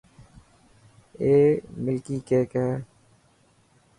اي ملڪي ڪيڪ هي.